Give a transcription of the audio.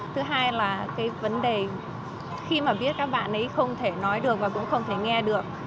thứ hai là cái vấn đề khi mà biết các bạn ấy không thể nói được và cũng không thể nghe được